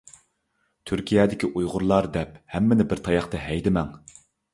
تۈركىيەدىكى ئۇيغۇرلار دەپ، ھەممىنى بىر تاياقتا ھەيدىمەڭ!